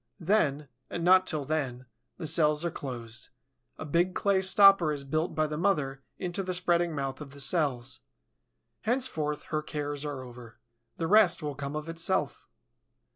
Then, and not till then, the cells are closed; a big clay stopper is built by the mother into the spreading mouth of the cells. Henceforth her cares are over. The rest will come of itself.